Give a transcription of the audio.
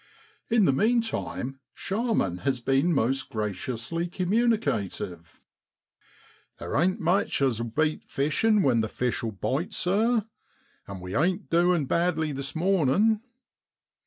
In the meantime Sharman has been most graciously communicative. 1 Theer ain't much as'll beat fishin' when the fish'll bite, sir. And we ain't duin' badly this mornin'.